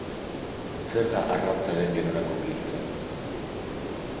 Zer da arrantzaren gerorako giltza?